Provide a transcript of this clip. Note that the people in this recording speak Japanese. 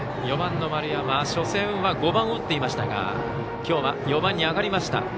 ４番の丸山初戦は５番を打っていましたがきょうは４番に上がりました。